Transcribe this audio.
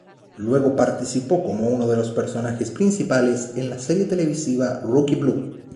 Luego, participó como uno de los personajes principales en la serie televisiva "Rookie Blue".